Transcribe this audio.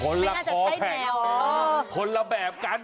คนละคอแข็งคนละแบบกัน